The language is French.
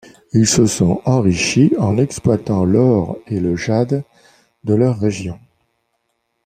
Ils se sont enrichis en exploitant l'or et le jade de leur région.